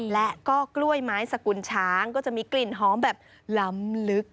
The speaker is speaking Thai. และก็กล้วยไม้สกุลช้างก็จะมีกลิ่นหอมแบบล้ำลึก